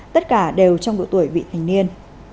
tất cả đều trong độ tuổi vị thành niên